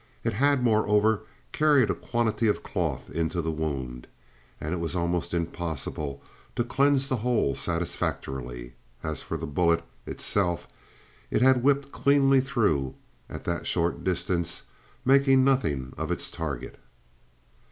It had, moreover, carried a quantity of cloth into the wound, and it was almost impossible to cleanse the hole satisfactorily. As for the bullet itself, it had whipped cleanly through, at that short distance making nothing of its target.